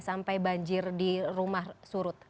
sampai banjir di rumah surut